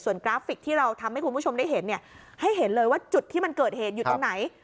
กราฟิกที่เราทำให้คุณผู้ชมได้เห็นเนี่ยให้เห็นเลยว่าจุดที่มันเกิดเหตุอยู่ตรงไหน